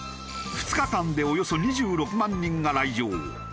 ２日間でおよそ２６万人が来場。